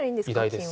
金は。